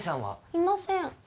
いません